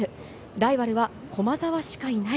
ライバルは駒澤しかいない。